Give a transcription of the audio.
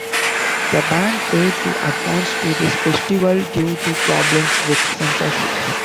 The band failed to advance to this festival due to problems with censorship.